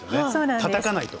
たたかないと。